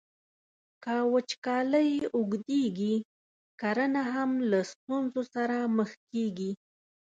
که وچکالۍ اوږدیږي، کرنه هم له ستونزو سره مخ کیږي.